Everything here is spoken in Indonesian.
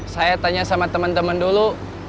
saya tanya sama temen temen dulu